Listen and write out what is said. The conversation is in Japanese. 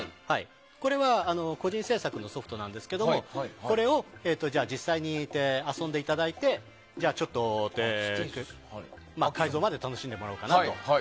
これは個人制作のソフトなんですけどもこれを実際に遊んでいただいて改造まで楽しんでいただこうかと。